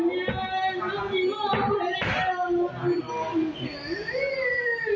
อืม